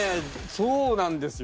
そうなんですよ。